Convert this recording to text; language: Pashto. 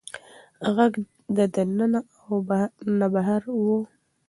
غږ نه د ننه و او نه بهر و.